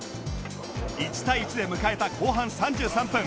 １対１で迎えた後半３３分